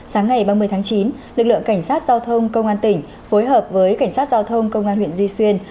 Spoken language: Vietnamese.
sáng ngày ba mươi tháng chín lực lượng cảnh sát giao thông công an tỉnh phối hợp với cảnh sát giao thông công an huyện duy xuyên